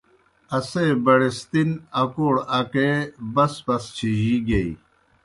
اسے بڑِستِن اکوڑ اکے بَس بَس چِھجِی گیئی۔